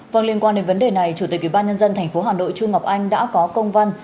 phòng liên quan đến vấn đề này chủ tịch ủy ban nhân dân tp hà nội trung ngọc anh đã có công văn